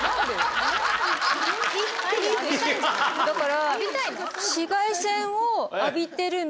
だから。